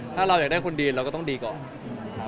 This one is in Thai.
ถ้าเราอยากได้คนดีเราก็ต้องดีก่อน